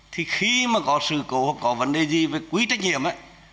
thì khi mà có sự cố hoặc có vấn đề gì về quý trách nhiệm ấy